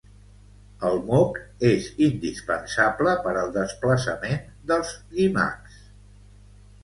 El moc és indispensable per al desplaçament dels llimacs.